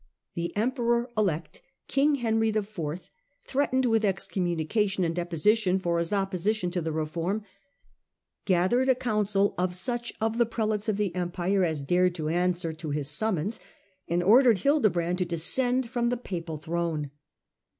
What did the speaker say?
The Emperor elect, King Henry IV, threatened with excommunication and deposition for his opposition to the reform, gathered a council of such of the prelates of the Empire as dared to answer to his summons and ordered Hildebrand to descend from the Papal throne.